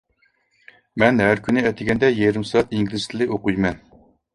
مەن ھەر كۈنى ئەتىگەندە يېرىم سائەت ئىنگلىز تىلى ئوقۇيمەن.